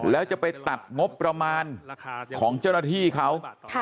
แล้วจะไปตัดงบประมาณของเจ้าหน้าที่เขา